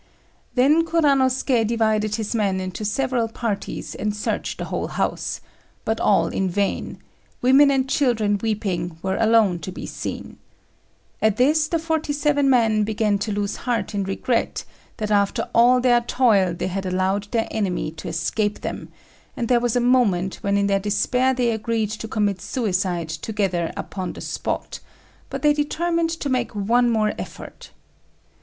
Then Kuranosuké divided his men into several parties and searched the whole house, but all in vain; women and children weeping were alone to be seen. At this the forty seven men began to lose heart in regret, that after all their toil they had allowed their enemy to escape them, and there was a moment when in their despair they agreed to commit suicide together upon the spot; but they determined to make one more effort.